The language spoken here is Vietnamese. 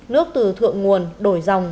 nước từ thượng nguồn đổi dòng